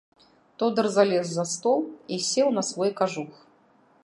Тодар залез за стол і сеў на свой кажух.